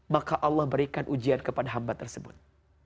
maka allah berikan ujian kepada hamba tersebut